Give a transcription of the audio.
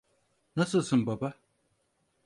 Nasılsın baba?